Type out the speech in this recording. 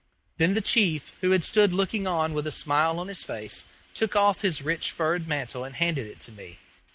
Then the chief, who had stood looking on with a smile on his face took off his rich furred mantle and handed it to me.